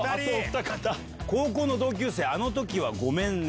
「高校の同級生あの時はゴメンね」。